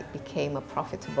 bisnis yang beruntung